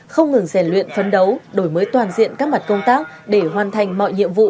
không ngừng rèn luyện phấn đấu đổi mới toàn diện các mặt công tác để hoàn thành mọi nhiệm vụ